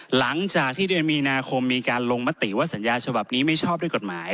หลังจากที่เดือนมีนาคมมีการลงมติว่าสัญญาฉบับนี้ไม่ชอบด้วยกฎหมาย